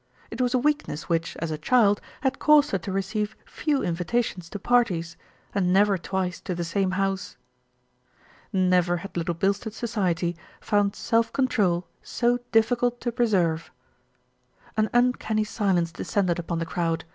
It was a weakness which, as a child, had caused her to receive few invitations to parties, and never twice to the same house. Never had Little Bilstead society found self control so difficult to preserve. An uncanny silence descended upon the crowd.